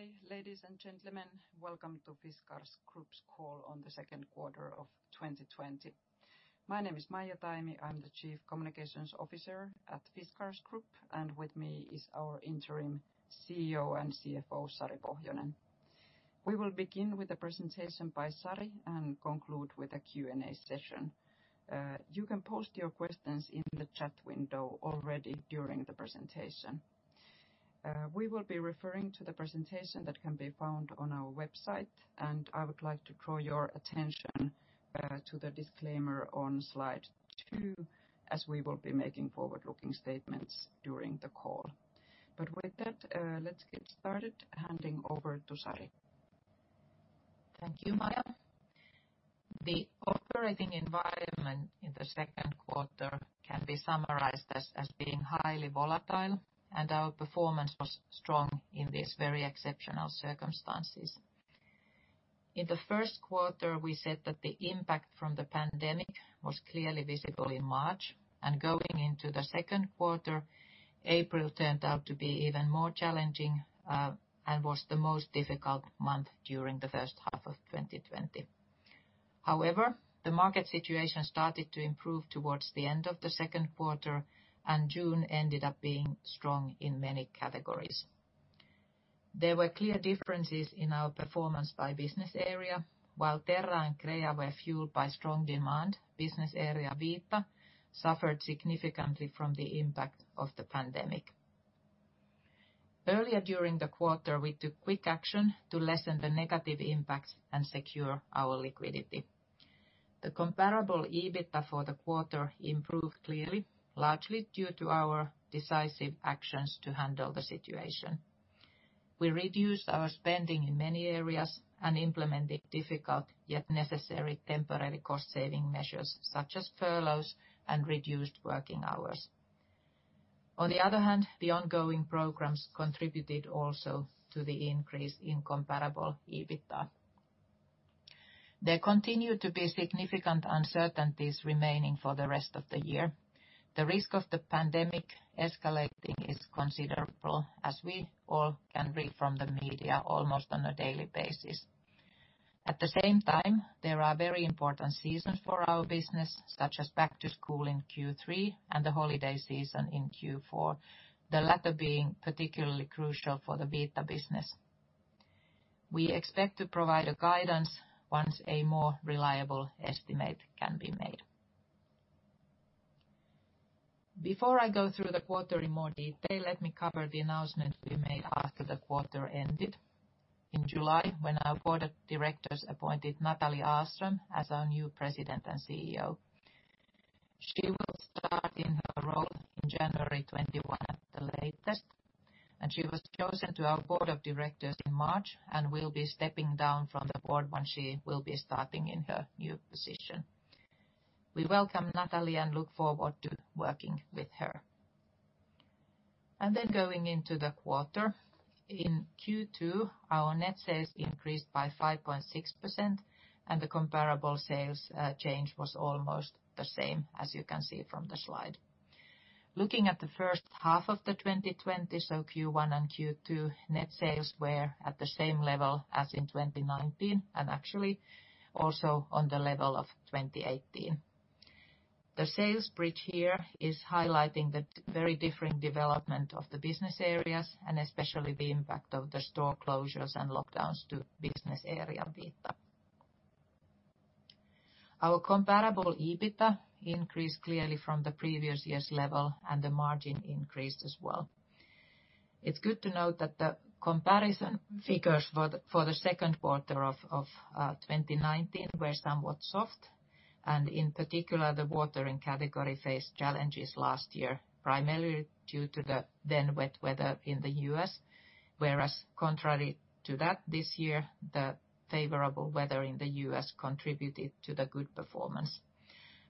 Good day, ladies and gentlemen. Welcome to Fiskars Group's call on the second quarter of 2020. My name is Maija Taimi. I'm the Chief Communications Officer at Fiskars Group, and with me is our Interim CEO and CFO, Sari Pohjonen. We will begin with a presentation by Sari and conclude with a Q&A session. You can post your questions in the chat window already during the presentation. We will be referring to the presentation that can be found on our website, and I would like to draw your attention to the disclaimer on slide two, as we will be making forward-looking statements during the call. With that, let's get started, handing over to Sari. Thank you, Maija. The operating environment in the second quarter can be summarized as being highly volatile, and our performance was strong in these very exceptional circumstances. In the first quarter, we said that the impact from the pandemic was clearly visible in March, and going into the second quarter, April turned out to be even more challenging and was the most difficult month during the first half of 2020. However, the market situation started to improve towards the end of the second quarter, and June ended up being strong in many categories. There were clear differences in our performance by business area. While Terra and Crea were fueled by strong demand, Business Area Vita suffered significantly from the impact of the pandemic. Earlier during the quarter, we took quick action to lessen the negative impacts and secure our liquidity. The comparable EBITDA for the quarter improved clearly, largely due to our decisive actions to handle the situation. We reduced our spending in many areas and implemented difficult yet necessary temporary cost-saving measures, such as furloughs and reduced working hours. On the other hand, the ongoing programs contributed also to the increase in comparable EBITDA. There continue to be significant uncertainties remaining for the rest of the year. The risk of the pandemic escalating is considerable, as we all can read from the media almost on a daily basis. At the same time, there are very important seasons for our business, such as back to school in Q3 and the holiday season in Q4, the latter being particularly crucial for the Vita Business. We expect to provide a guidance once a more reliable estimate can be made. Before I go through the quarter in more detail, let me cover the announcement we made after the quarter ended in July, when our board of directors appointed Nathalie Ahlström as our new President and CEO. She will start in her role in January 21 at the latest, and she was chosen to our board of directors in March and will be stepping down from the board once she will be starting in her new position. We welcome Nathalie and look forward to working with her. Then going into the quarter. In Q2, our net sales increased by 5.6%, and the comparable sales change was almost the same, as you can see from the slide. Looking at the first half of 2020, so Q1 and Q2, net sales were at the same level as in 2019, and actually also on the level of 2018. The sales bridge here is highlighting the very different development of the business areas, especially the impact of the store closures and lockdowns to business area Vita. Our comparable EBITDA increased clearly from the previous year's level, and the margin increased as well. It's good to note that the comparison figures for the second quarter of 2019 were somewhat soft, and in particular, the watering category faced challenges last year, primarily due to the then wet weather in the U.S., whereas contrary to that, this year, the favorable weather in the U.S. contributed to the good performance.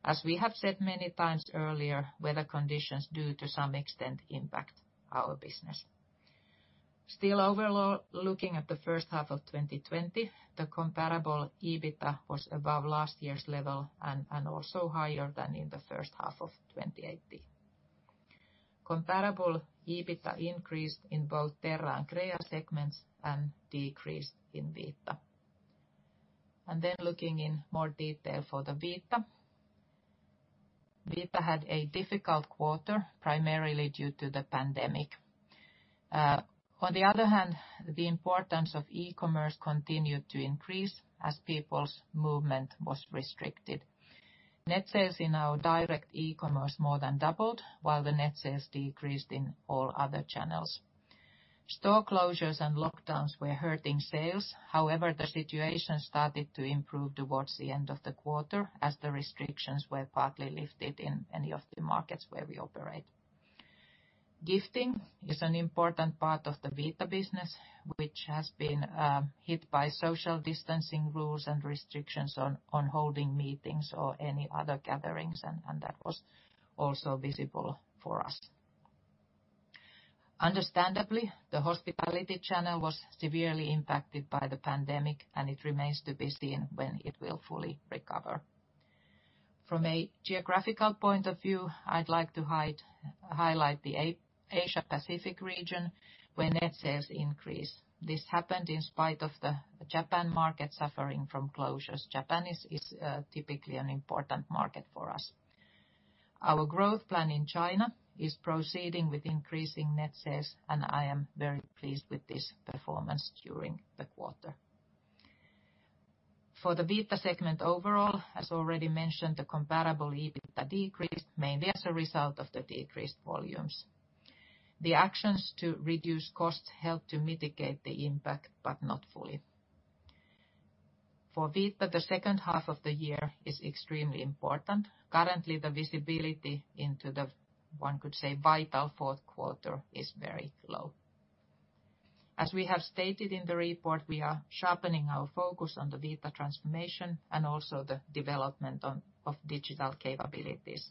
As we have said many times earlier, weather conditions do to some extent impact our business. Still, overall, looking at the first half of 2020, the comparable EBITDA was above last year's level and also higher than in the first half of 2018. Comparable EBITDA increased in both Terra and Crea segments and decreased in Vita. Looking in more detail for the Vita. Vita had a difficult quarter, primarily due to the pandemic. On the other hand, the importance of e-commerce continued to increase as people's movement was restricted. Net sales in our direct e-commerce more than doubled, while the net sales decreased in all other channels. Store closures and lockdowns were hurting sales. However, the situation started to improve towards the end of the quarter, as the restrictions were partly lifted in many of the markets where we operate. Gifting is an important part of the Vita business, which has been hit by social distancing rules and restrictions on holding meetings or any other gatherings, that was also visible for us. Understandably, the hospitality channel was severely impacted by the pandemic, it remains to be seen when it will fully recover. From a geographical point of view, I'd like to highlight the Asia Pacific region where net sales increased. This happened in spite of the Japan market suffering from closures. Japan is typically an important market for us. Our growth plan in China is proceeding with increasing net sales, I am very pleased with this performance during the quarter. For the Vita segment overall, as already mentioned, the comparable EBITDA decreased mainly as a result of the decreased volumes. The actions to reduce costs helped to mitigate the impact, not fully. For Vita, the second half of the year is extremely important. Currently, the visibility into the, one could say, vital fourth quarter is very low. As we have stated in the report, we are sharpening our focus on the Vita transformation also the development of digital capabilities.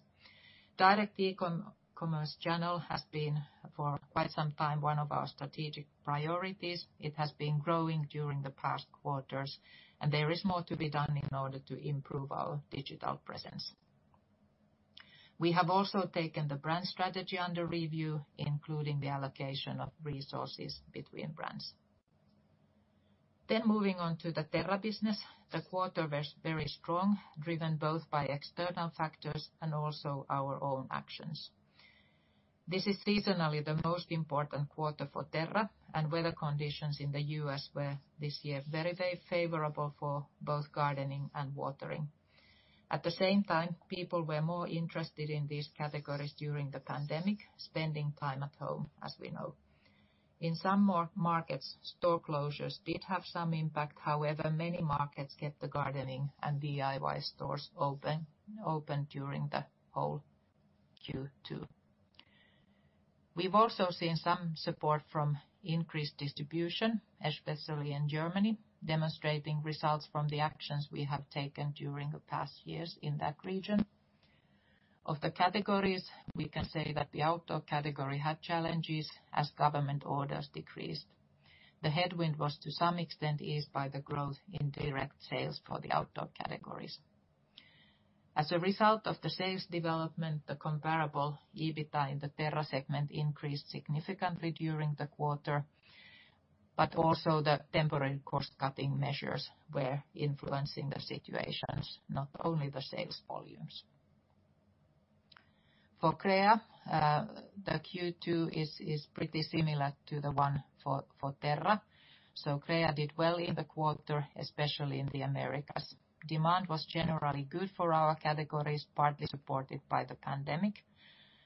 Direct e-commerce channel has been, for quite some time, one of our strategic priorities. It has been growing during the past quarters, there is more to be done in order to improve our digital presence. We have also taken the brand strategy under review, including the allocation of resources between brands. Moving on to the Terra business. The quarter was very strong, driven both by external factors also our own actions. This is seasonally the most important quarter for Terra, weather conditions in the U.S. were, this year, very favorable for both gardening and watering. At the same time, people were more interested in these categories during the pandemic, spending time at home, as we know. In some markets, store closures did have some impact. However, many markets kept the gardening and DIY stores open during the whole Q2. We've also seen some support from increased distribution, especially in Germany, demonstrating results from the actions we have taken during the past years in that region. Of the categories, we can say that the outdoor category had challenges as government orders decreased. The headwind was, to some extent, eased by the growth in direct sales for the outdoor categories. As a result of the sales development, the comparable EBITDA in the Terra segment increased significantly during the quarter, but also the temporary cost-cutting measures were influencing the situations, not only the sales volumes. For Crea, the Q2 is pretty similar to the one for Terra. Crea did well in the quarter, especially in the Americas. Demand was generally good for our categories, partly supported by the pandemic.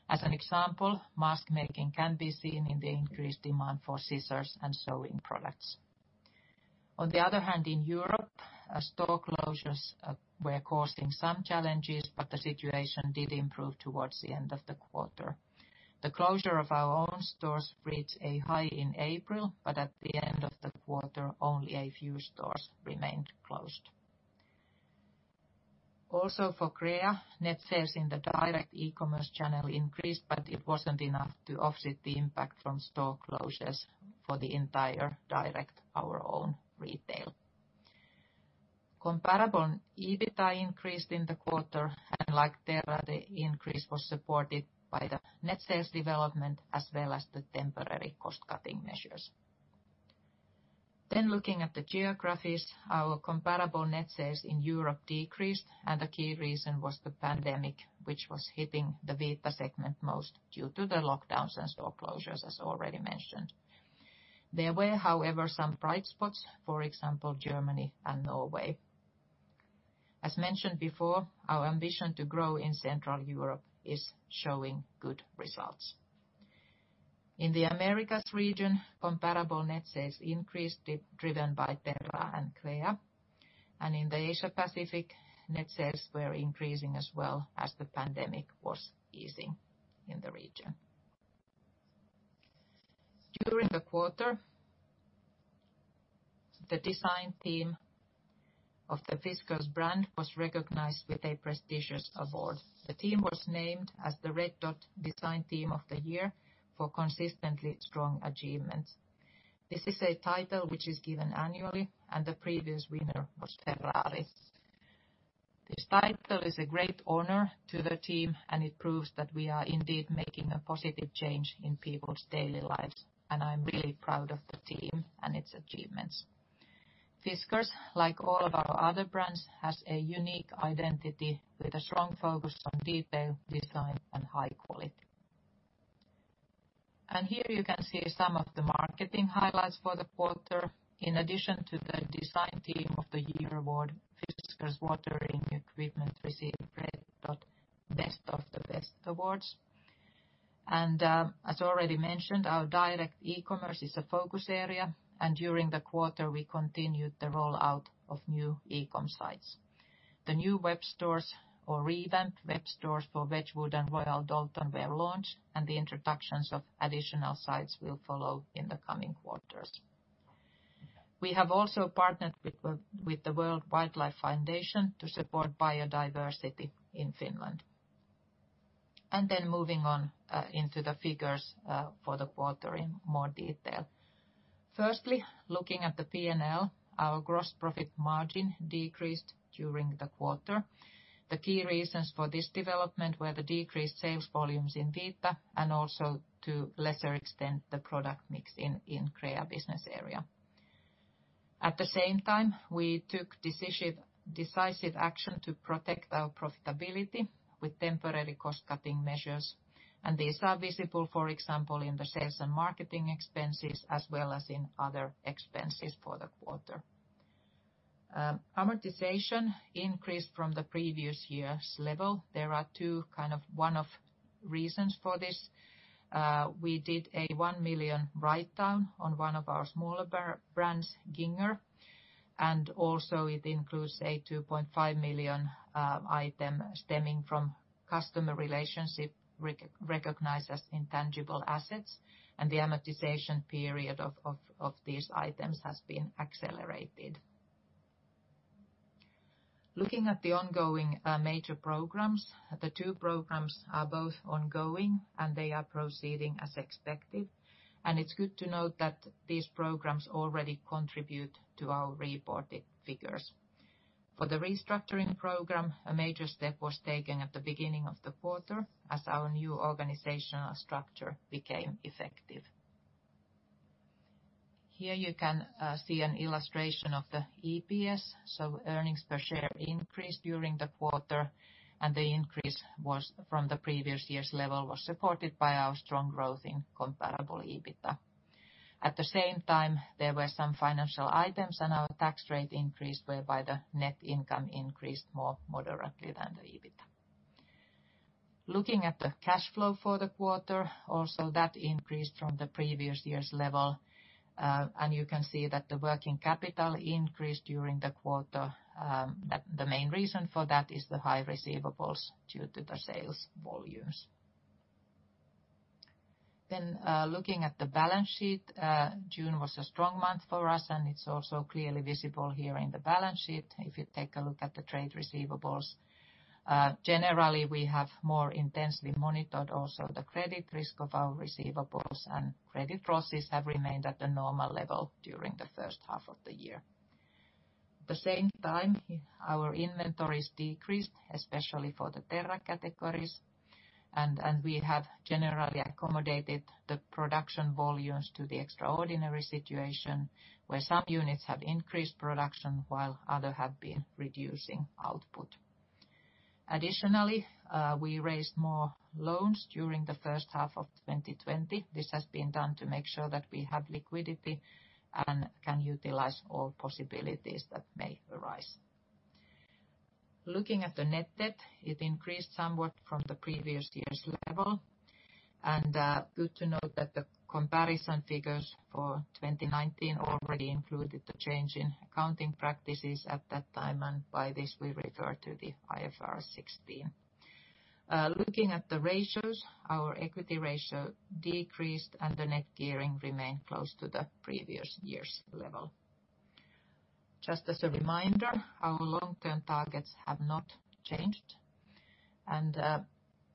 As an example, mask making can be seen in the increased demand for scissors and sewing products. On the other hand, in Europe, store closures were causing some challenges, but the situation did improve towards the end of the quarter. The closure of our own stores reached a high in April, but at the end of the quarter, only a few stores remained closed. Also for Crea, net sales in the direct e-commerce channel increased, but it wasn't enough to offset the impact from store closures for the entire direct our own retail. Comparable EBITDA increased in the quarter, and like Terra, the increase was supported by the net sales development as well as the temporary cost-cutting measures. Looking at the geographies, our comparable net sales in Europe decreased, and the key reason was the pandemic, which was hitting the Vita segment most due to the lockdowns and store closures, as already mentioned. There were, however, some bright spots. For example, Germany and Norway. As mentioned before, our ambition to grow in Central Europe is showing good results. In the Americas region, comparable net sales increased, driven by Terra and Crea. In the Asia Pacific, net sales were increasing as well as the pandemic was easing in the region. During the quarter, the design team of the Fiskars brand was recognized with a prestigious award. The team was named as the Red Dot: Design Team of the Year for consistently strong achievements. This is a title which is given annually, and the previous winner was Ferrari. This title is a great honor to the team, and it proves that we are indeed making a positive change in people's daily lives, and I'm really proud of the team and its achievements. Fiskars, like all of our other brands, has a unique identity with a strong focus on detail, design, and high quality. Here you can see some of the marketing highlights for the quarter. In addition to the Design Team of the Year award, Fiskars watering equipment received Red Dot: Best of the Best awards. As already mentioned, our direct e-commerce is a focus area, and during the quarter, we continued the rollout of new e-com sites. The new web stores or revamped web stores for Wedgwood and Royal Doulton were launched, and the introductions of additional sites will follow in the coming quarters. We have also partnered with the World Wildlife Fund to support biodiversity in Finland. Moving on into the figures for the quarter in more detail. Firstly, looking at the P&L, our gross profit margin decreased during the quarter. The key reasons for this development were the decreased sales volumes in Vita, and also to lesser extent, the product mix in Crea business area. At the same time, we took decisive action to protect our profitability with temporary cost-cutting measures. These are visible, for example, in the sales and marketing expenses, as well as in other expenses for the quarter. Amortization increased from the previous year's level. There are two one-off reasons for this. We did a 1 million write-down on one of our smaller brands, Gingher, and also it includes a 2.5 million item stemming from customer relationship recognized as intangible assets. The amortization period of these items has been accelerated. Looking at the ongoing major programs, the two programs are both ongoing, and they are proceeding as expected. It's good to note that these programs already contribute to our reported figures. For the restructuring program, a major step was taken at the beginning of the quarter, as our new organizational structure became effective. Here you can see an illustration of the EPS. Earnings per share increased during the quarter, and the increase from the previous year's level was supported by our strong growth in comparable EBITDA. At the same time, there were some financial items and our tax rate increased, whereby the net income increased more moderately than the EBITDA. Looking at the cash flow for the quarter, also that increased from the previous year's level. You can see that the working capital increased during the quarter. The main reason for that is the high receivables due to the sales volumes. Looking at the balance sheet, June was a strong month for us, and it's also clearly visible here in the balance sheet if you take a look at the trade receivables. Generally, we have more intensely monitored also the credit risk of our receivables, and credit losses have remained at a normal level during the first half of the year. At the same time, our inventories decreased, especially for the Terra categories. We have generally accommodated the production volumes to the extraordinary situation where some units have increased production while others have been reducing output. Additionally, we raised more loans during the first half of 2020. This has been done to make sure that we have liquidity and can utilize all possibilities that may arise. Looking at the net debt, it increased somewhat from the previous year's level. Good to note that the comparison figures for 2019 already included the change in accounting practices at that time. By this, we refer to the IFRS 16. Looking at the ratios, our equity ratio decreased and the net gearing remained close to the previous year's level. Just as a reminder, our long-term targets have not changed.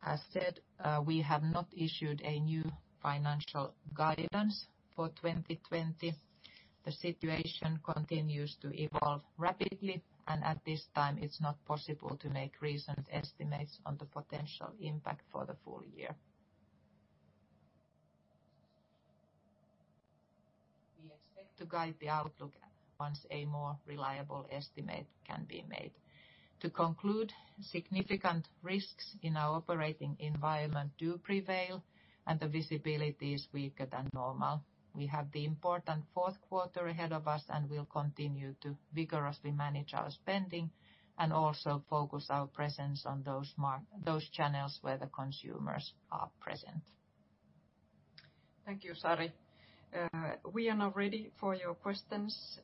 As said, we have not issued a new financial guidance for 2020. The situation continues to evolve rapidly, at this time, it's not possible to make reasoned estimates on the potential impact for the full year. We expect to guide the outlook once a more reliable estimate can be made. To conclude, significant risks in our operating environment do prevail, the visibility is weaker than normal. We have the important fourth quarter ahead of us, we'll continue to vigorously manage our spending and also focus our presence on those channels where the consumers are present. Thank you, Sari. We are now ready for your questions,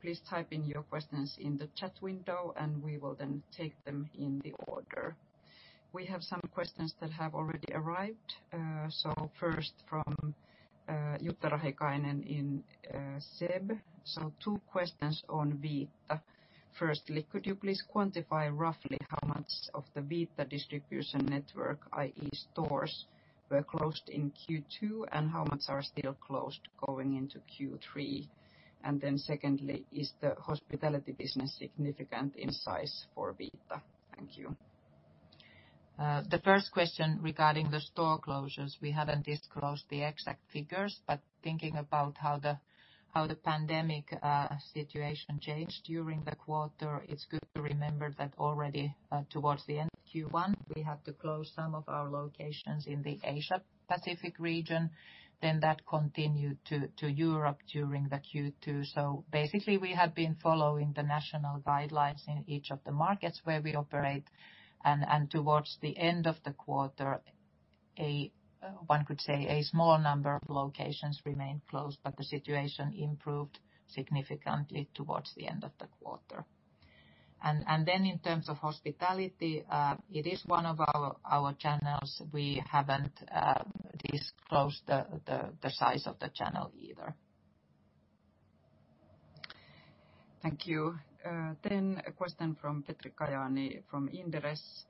please type in your questions in the chat window, we will then take them in the order. We have some questions that have already arrived. First from Jutta Rahikainen in SEB. Two questions on Vita. Firstly, could you please quantify roughly how much of the Vita distribution network, i.e. stores, were closed in Q2, how much are still closed going into Q3? Secondly, is the hospitality business significant in size for Vita? Thank you. The first question regarding the store closures, we haven't disclosed the exact figures, but thinking about how the pandemic situation changed during the quarter, it's good to remember that already towards the end of Q1, we had to close some of our locations in the Asia-Pacific region, that continued to Europe during the Q2. Basically, we have been following the national guidelines in each of the markets where we operate, towards the end of the quarter, one could say a small number of locations remained closed, the situation improved significantly towards the end of the quarter. In terms of hospitality, it is one of our channels. We haven't disclosed the size of the channel either. Thank you. A question from Petri Kajaani from Inderes.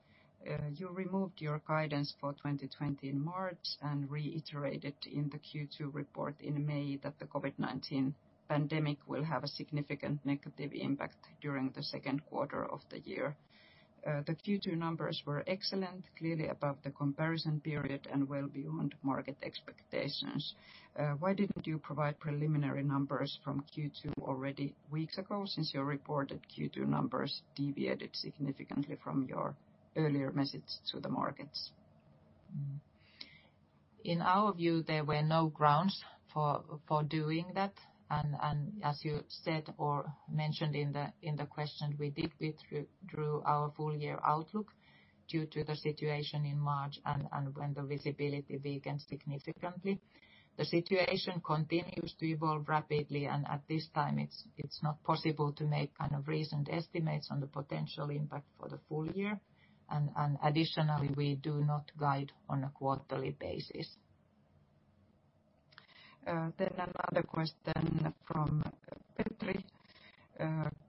You removed your guidance for 2020 in March and reiterated in the Q2 report in May that the COVID-19 pandemic will have a significant negative impact during the second quarter of the year. The Q2 numbers were excellent, clearly above the comparison period and well beyond market expectations. Why didn't you provide preliminary numbers from Q2 already weeks ago, since your reported Q2 numbers deviated significantly from your earlier message to the markets? In our view, there were no grounds for doing that. As you said or mentioned in the question, we did withdrew our full-year outlook due to the situation in March and when the visibility weakened significantly. The situation continues to evolve rapidly, and at this time, it's not possible to make reasoned estimates on the potential impact for the full year. Additionally, we do not guide on a quarterly basis. Another question from Petri.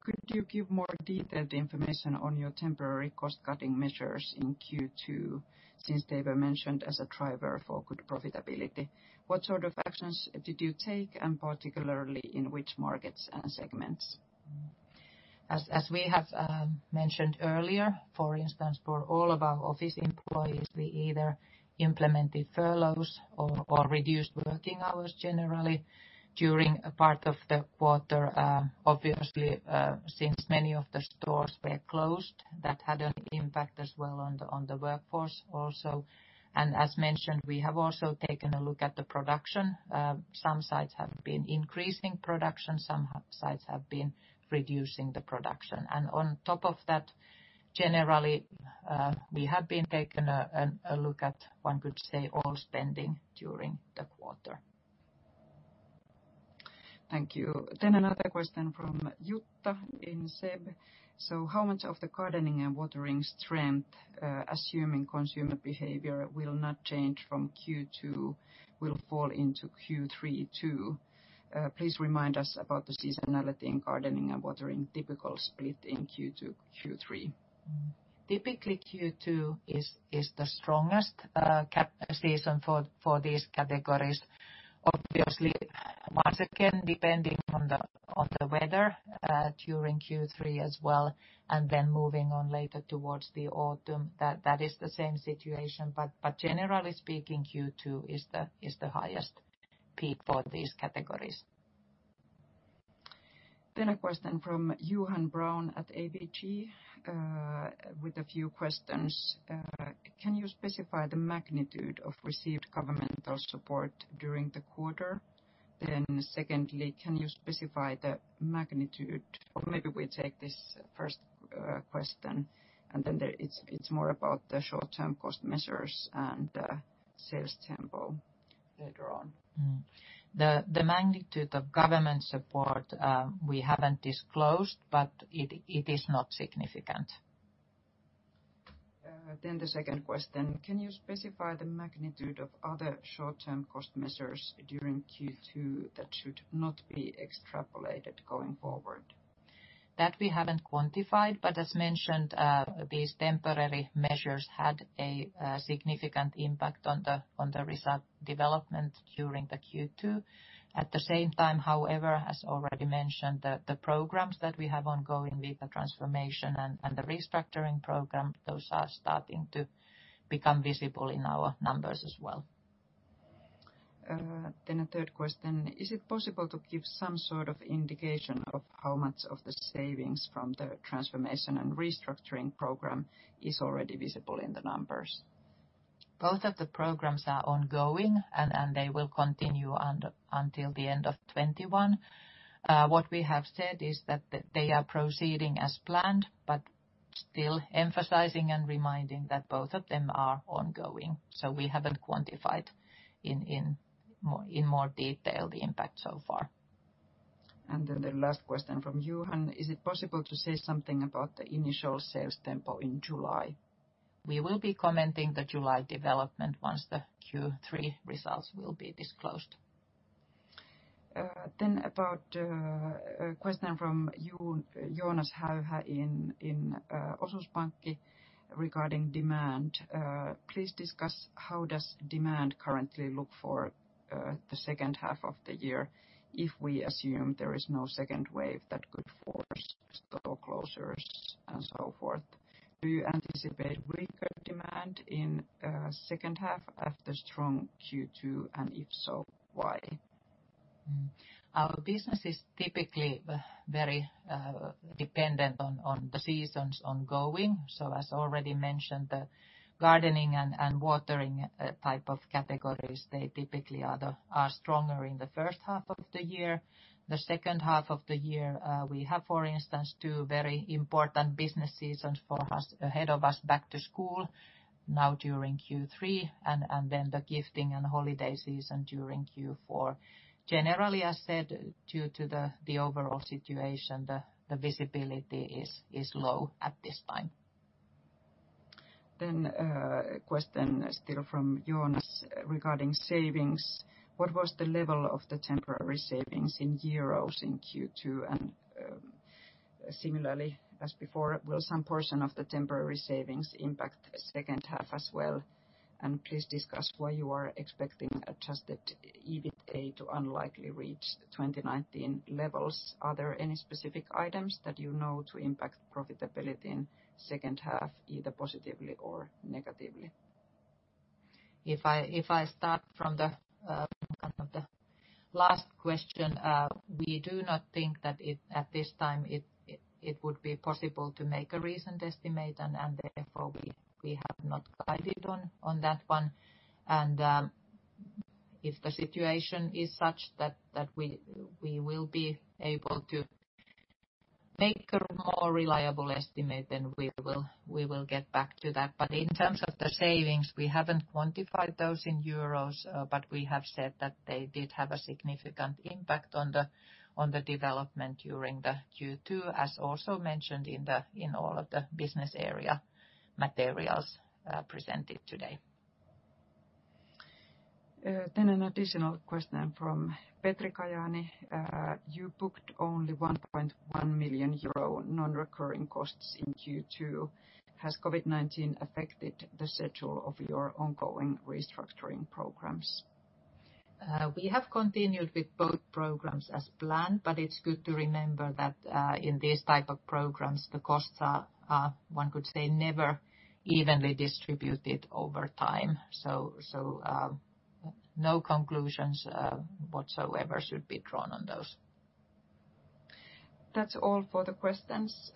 Could you give more detailed information on your temporary cost-cutting measures in Q2, since they were mentioned as a driver for good profitability? What sort of actions did you take, and particularly in which markets and segments? As we have mentioned earlier, for instance, for all of our office employees, we either implemented furloughs or reduced working hours generally during a part of the quarter. Obviously, since many of the stores were closed, that had an impact as well on the workforce also. As mentioned, we have also taken a look at the production. Some sites have been increasing production, some sites have been reducing the production. On top of that, generally, we have been taking a look at, one could say, all spending during the quarter. Thank you. Another question from Jutta in SEB. How much of the gardening and watering strength, assuming consumer behavior will not change from Q2, will fall into Q3 too? Please remind us about the seasonality in gardening and watering, typical split in Q2, Q3. Typically, Q2 is the strongest season for these categories. Obviously, once again, depending on the weather during Q3 as well, and then moving on later towards the autumn, that is the same situation. Generally speaking, Q2 is the highest peak for these categories. A question from Johan Brown at ABG with a few questions. Can you specify the magnitude of received governmental support during the quarter? Secondly, can you specify the magnitude? Or maybe we take this first question, and then it's more about the short-term cost measures and sales tempo later on. The magnitude of government support we haven't disclosed, but it is not significant. The second question. Can you specify the magnitude of other short-term cost measures during Q2 that should not be extrapolated going forward? That we haven't quantified, but as mentioned, these temporary measures had a significant impact on the result development during the Q2. At the same time, however, as already mentioned, the programs that we have ongoing with the Transformation and Restructuring Program, those are starting to become visible in our numbers as well. A third question. Is it possible to give some sort of indication of how much of the savings from the Transformation and Restructuring Program is already visible in the numbers? Both of the programs are ongoing, and they will continue until the end of 2021. What we have said is that they are proceeding as planned, but still emphasizing and reminding that both of them are ongoing. We haven't quantified in more detail the impact so far. The last question from Johan. Is it possible to say something about the initial sales tempo in July? We will be commenting the July development once the Q3 results will be disclosed. A question from Jonas Häyhä in OP Bank regarding demand. Please discuss how does demand currently look for the second half of the year if we assume there is no second wave that could force store closures and so forth. Do you anticipate weaker demand in second half after strong Q2, and if so, why? Our business is typically very dependent on the seasons ongoing. As already mentioned, the gardening and watering type of categories, they typically are stronger in the first half of the year. The second half of the year, we have, for instance, two very important business seasons for us ahead of us, back to school now during Q3, and the gifting and holiday season during Q4. Generally, as said, due to the overall situation, the visibility is low at this time. A question still from Jonas regarding savings. What was the level of the temporary savings in euros in Q2? Similarly as before, will some portion of the temporary savings impact second half as well? Please discuss why you are expecting adjusted EBITDA to unlikely reach 2019 levels. Are there any specific items that you know to impact profitability in second half, either positively or negatively? If I start from the last question, we do not think that at this time it would be possible to make a recent estimate, therefore we have not guided on that one. If the situation is such that we will be able to make a more reliable estimate, then we will get back to that. In terms of the savings, we haven't quantified those in EUR, but we have said that they did have a significant impact on the development during the Q2, as also mentioned in all of the business area materials presented today. An additional question from Petri Kajaani. You booked only 1.1 million euro non-recurring costs in Q2. Has COVID-19 affected the schedule of your ongoing restructuring programs? We have continued with both programs as planned, it's good to remember that in these type of programs, the costs are, one could say, never evenly distributed over time, no conclusions whatsoever should be drawn on those. That's all for the questions.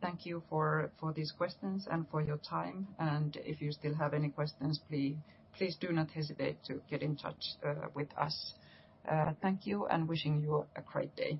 Thank you for these questions and for your time, if you still have any questions, please do not hesitate to get in touch with us. Thank you, wishing you a great day.